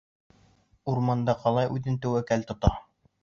«Урманда ҡалай үҙен тәүәккәл тота».